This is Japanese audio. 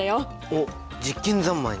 おっ実験三昧ね。